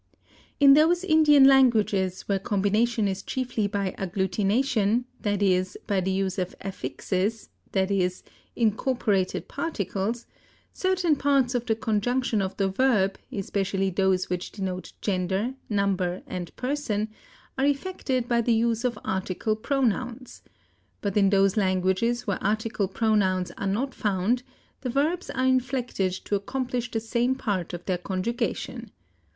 In those Indian languages where combination is chiefly by agglutination, that is, by the use of affixes, i.e., incorporated particles, certain parts of the conjugation of the verb, especially those which denote gender, number, and person, are effected by the use of article pronouns; but in those languages where article pronouns are not found the verbs are inflected to accomplish the same part of their conjugation.